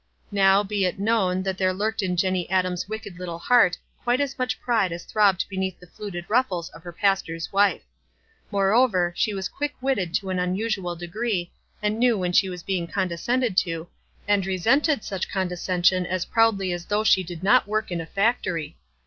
Now, be it known, that there lurked in Jenny Adams' wicked little heart quite as much pride as throbbed beneath the fluted ruffles of her pas tor's wife. Moreover, she was quick witted to an unusual degree, and knew when she was being condescended to, and resented such condescen sion as proudly as though she did not work in a factory.